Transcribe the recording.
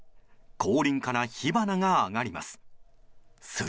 後輪から火花が上がります。